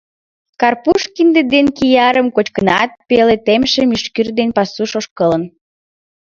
Карпуш кинде ден киярым кочкынат, пеле темше мӱшкыр дене пасуш ошкылын.